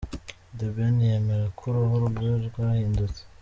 The Ben yemera ko uruhu rwe rwahindutse.